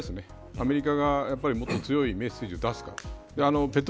アメリカがもっと強いメッセージを出すか。